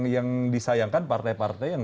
yang disayangkan partai partai yang